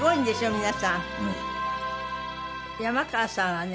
皆さん山川さんはね